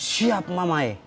siap mama eh